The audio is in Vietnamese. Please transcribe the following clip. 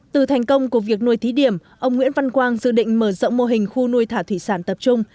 từ thành công của việc nuôi thí điểm ông nguyễn văn quang dự định mở rộng mô hình khu nuôi thả thủy sản tập trung